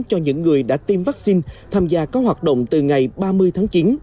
cho những người đã tiêm vaccine tham gia các hoạt động từ ngày ba mươi tháng chín